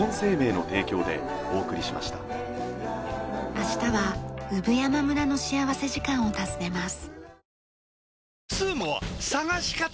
明日は産山村の幸福時間を訪ねます。